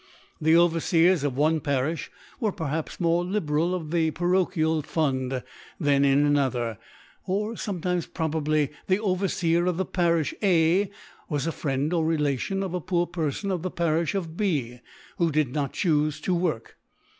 The Ovcrft^rs of one Parifh were perhaps more liberal of the Parochial Fund than in another; or Ibmetimes probably the Overfeer of the Farifh A was a Friend or Relation of a poor pbOf Perfon of the Parifh of B, who did not choofe to work.